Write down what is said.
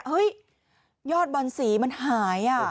เฮ้ยยอดบรรษีมันหาย